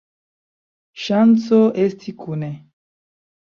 Ŝanco esti kune!